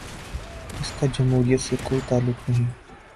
اس کا جمہوریت سے کوئی تعلق نہیں۔